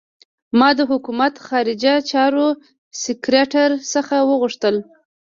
ما د حکومت خارجه چارو سکرټر څخه وغوښتل.